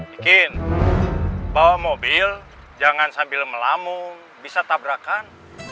bikin bawa mobil jangan sambil melamu bisa tabrakan